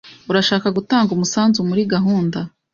Urashaka gutanga umusanzu muri gahunda?